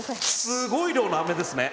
すごい量のアメですね。